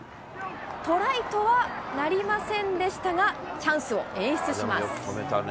トライとはなりませんでしたが、チャンスを演出します。